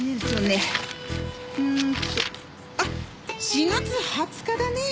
うーんとあっ４月２０日だね。